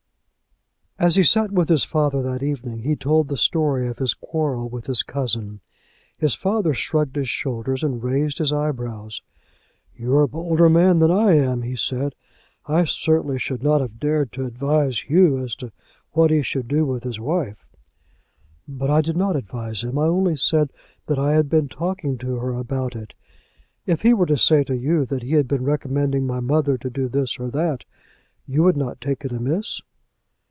As he sat with his father that evening, he told the story of his quarrel with his cousin. His father shrugged his shoulders and raised his eyebrows. "You are a bolder man than I am," he said. "I certainly should not have dared to advise Hugh as to what he should do with his wife." "But I did not advise him. I only said that I had been talking to her about it. If he were to say to you that he had been recommending my mother to do this or that, you would not take it amiss?"